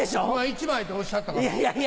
今１枚っておっしゃったから。